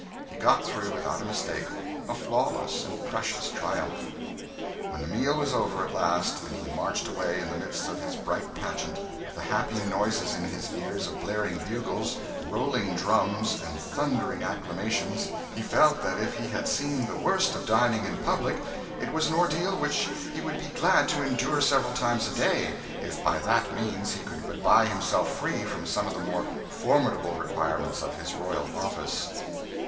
He got through without a mistake flawless and precious triumph. When the meal was over at last and he marched away in the midst of his bright pageant, with the happy noises in his ears of blaring bugles, rolling drums, and thundering acclamations, he felt that if he had seen the worst of dining in public it was an ordeal which he would be glad to endure several times a day if by that means he could but buy himself free from some of the more formidable requirements of his royal office.